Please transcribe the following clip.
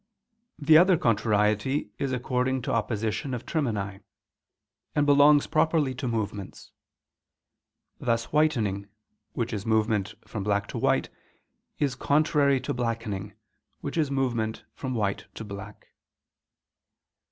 _ The other contrariety is according to opposition of termini, and belongs properly to movements: thus whitening, which is movement from black to white, is contrary to blackening, which is movement from white to black.